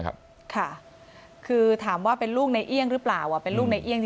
ค่ะคือถามว่าเป็นลูกในเอี่ยงหรือเปล่าเป็นลูกในเอี่ยง